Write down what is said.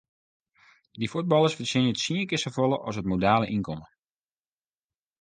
Dy fuotballers fertsjinje tsien kear safolle as it modale ynkommen.